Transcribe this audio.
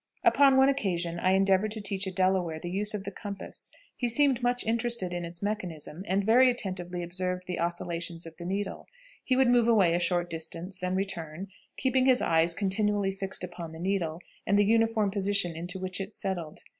Upon one occasion I endeavored to teach a Delaware the use of the compass. He seemed much interested in its mechanism, and very attentively observed the oscillations of the needle. He would move away a short distance, then return, keeping his eyes continually fixed upon the needle and the uniform position into which it settled.